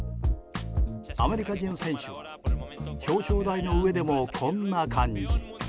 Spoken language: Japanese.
アメリカ人選手は表彰台の上でもこんな感じ。